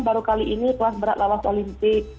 baru kali ini kelas berat lolos ke olimpik